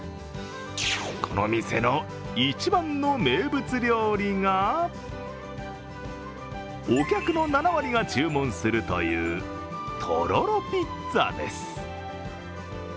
この店の１番の名物料理がお客の７割が注文するというとろろピッツァです。